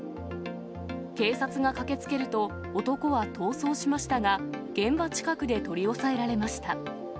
警察が駆けつけると、男は逃走しましたが、現場近くで取り押さえられました。